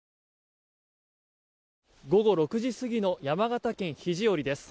午後６時過ぎの山形県肘折です。